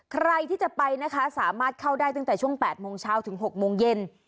ใครที่จะไปนะคะสามารถเข้าได้ตั้งแต่ช่วง๘โมงเช้าถึง๖โมงเย็น